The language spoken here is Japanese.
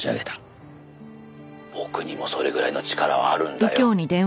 「僕にもそれぐらいの力はあるんだよ」